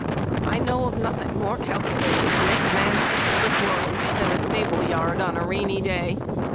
I know of nothing more calculated to make a man sick of this world than a stable yard on a rainy day.